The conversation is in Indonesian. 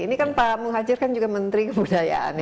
ini kan pak muhajir kan juga menteri kebudayaan